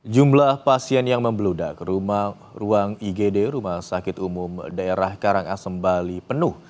jumlah pasien yang membeludak ke rumah ruang igd rumah sakit umum daerah karangasem bali penuh